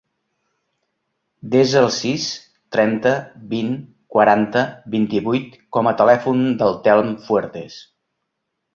Desa el sis, trenta, vint, quaranta, vint-i-vuit com a telèfon del Telm Fuertes.